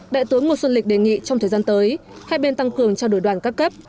đại tướng ngô xuân lịch đề nghị trong thời gian tới hai bên tăng cường trao đổi đoàn các cấp